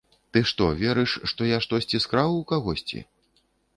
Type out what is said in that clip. Ты што, верыш, што я штосьці скраў у кагосьці?